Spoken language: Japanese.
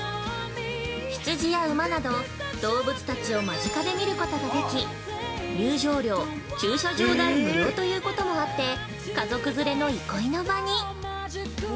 羊や馬など動物たちを間近で見ることができ入場料、駐車代無料ということもあって、家族連れの憩いの場に。